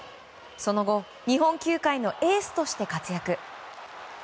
その後日本球界のエースとして活躍。